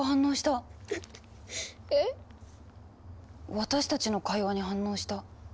私たちの会話に反応した。